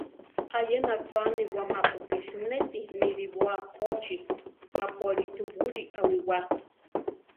Ayena cho aniwá mapu ké sinéti milibóa kóchi mápu alí tubúli awíwa.